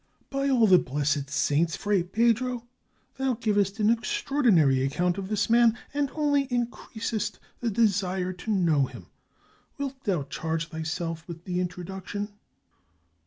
"By all the blessed saints! Fray Pedro, thou givest an extraordinary account of this m^an, and only in creasest the desire to know him. Wilt thou charge thy self with the introduction?"